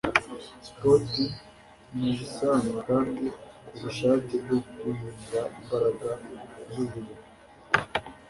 Sport nubusanzwe kandi kubushake bwo guhinga imbaraga zumubiri